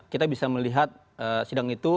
kita bisa melihat sidang itu